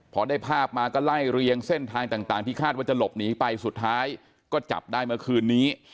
พอได้ภาพมาก็ไล่เรียงเส้นทางต่างที่คาดว่าจะหลบหนีไปสุดท้ายก็จับได้เมื่อคืนนี้